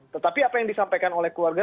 tetapi apa yang disampaikan oleh keluarga